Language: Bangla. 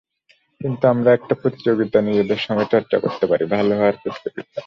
কিন্তু আমরা একটা প্রতিযোগিতা নিজেদের সঙ্গে চর্চা করতে পারি—ভালো হওয়ার প্রতিযোগিতা।